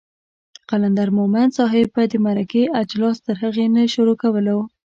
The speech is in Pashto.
قلندر مومند صاحب به د مرکې اجلاس تر هغې نه شروع کولو